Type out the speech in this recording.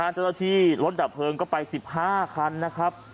เจ้าหน้าที่รถดับเพลิงก็ไป๑๕คันนะครับ